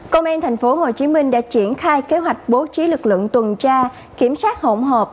công an tp hcm đã triển khai kế hoạch bố trí lực lượng tuần tra kiểm soát hỗn hợp